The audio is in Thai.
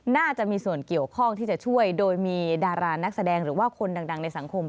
น่าจะมีส่วนเกี่ยวข้องที่จะช่วยโดยมีดารานักแสดงหรือว่าคนดังในสังคม